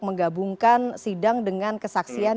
menggabungkan sidang dengan kesaksian